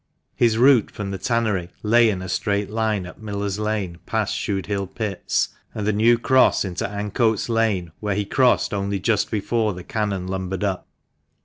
His route from the tannery lay in a straight line up Miller's Lane, past Shude Hill Pits, and the New Cross, into Ancoats Lane, where he crossed only just before the cannon lumbered up.